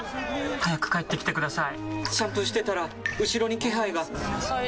早く帰ってきてください！